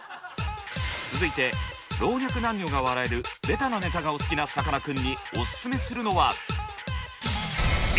続いて老若男女が笑えるベタなネタがお好きなさかなクンにオススメするのは。